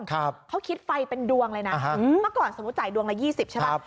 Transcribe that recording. เขาคิดไฟเป็นดวงเลยนะมาก่อนสมมุติจ่ายดวงละ๒๐ใช่ไหม